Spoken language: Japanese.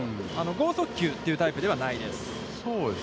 剛速球というタイプではないです。